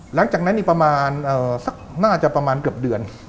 หลังจากนั้นอีกประมาณสักน่าจะประมาณเกือบเดือน